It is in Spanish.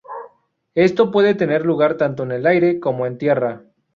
Esto puede tener lugar tanto en el aire como en tierra.